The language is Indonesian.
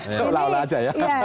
seulah ulah aja ya